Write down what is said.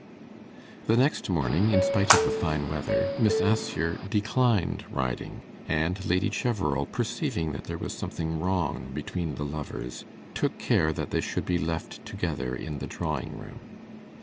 The next morning, in spite of the fine weather, Miss Assher declined riding, and Lady Cheverel, perceiving that there was something wrong between the lovers, took care that they should be left together in the drawing room.